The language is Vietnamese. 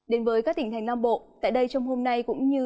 đến với các tỉnh thành nam bộ tại đây trong hôm nay cũng như